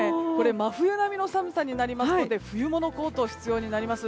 真冬並みの寒さになりますので冬物コート必要になります。